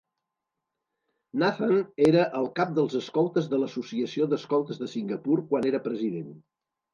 Nathan era el cap dels escoltes de l'Associació d'Escoltes de Singapur quan era president.